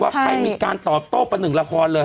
ว่าให้มีการตอบโตปนึงละครเลย